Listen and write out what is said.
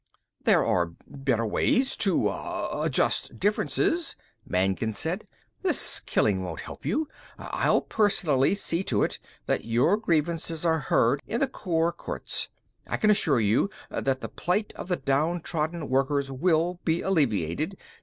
"There are better ways to, uh, adjust differences," Magnan said. "This killing won't help you, I'll personally see to it that your grievances are heard in the Corps Courts. I can assure you that the plight of the downtrodden workers will be alleviated.